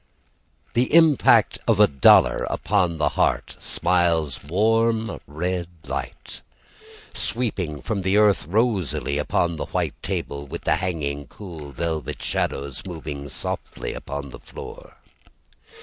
The impact of a dollar upon the heart Smiles warm red light, Sweeping from the hearth rosily upon the white table, With the hanging cool velvet shadows Moving softly upon the door.